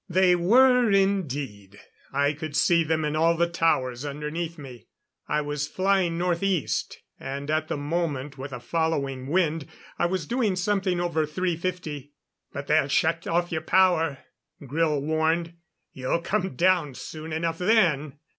They were indeed; I could see them in all the towers underneath me. I was flying north east; and at the moment, with a following wind, I was doing something over three fifty. "But they'll shut off your power," Grille warned. "You'll come down soon enough then."